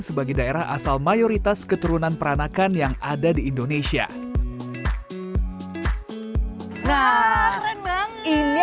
sebagai daerah asal mayoritas keturunan peranakan yang ada di indonesia nah renang ini